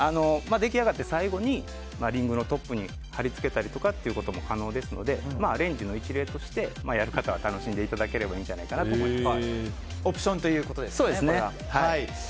出来上がった最後にリングのトップにはりつけたりとかということも可能ですのでアレンジの一例としてやる方は楽しんでいただけたらいいと思います。